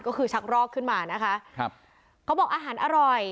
ก็คือชักรอกขึ้นมานะคะครับเขาบอกอาหารอร่อย